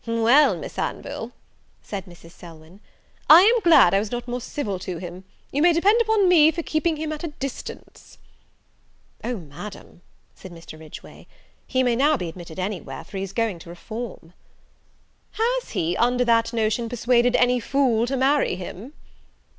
"Well, Miss Anville," said Mrs. Selwyn, "I am glad I was not more civil to him. You may depend upon me for keeping him at a distance." "O, Madam," said Mr. Ridgeway, "he may now be admitted any where, for he is going to reform." "Has he, under that notion, persuaded any fool to marry him?"